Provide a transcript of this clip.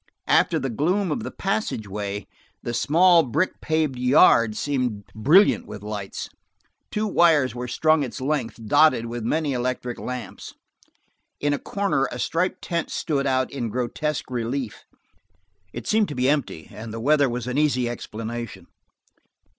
After the gloom of the passageway, the small brick paved yard seemed brilliant with lights. Two wires were strung its length, dotted with many electric lamps. In a corner a striped tent stood out in grotesque relief; it seemed to be empty, and the weather was an easy explanation.